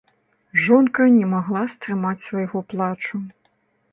Жонка не магла стрымаць свайго плачу.